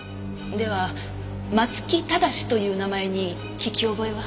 では松木正という名前に聞き覚えは？